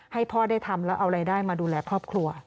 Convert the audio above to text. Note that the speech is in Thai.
ให้พ่อได้ทำแล้วเอารายได้มาดูแลครอบครัว